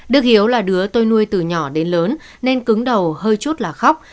đức hiếu là đứa tôi nuôi từ nhỏ đến lớn nên cứng đầu hơi chút là khóc